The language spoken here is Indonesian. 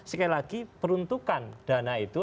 sekali lagi peruntukan dana itu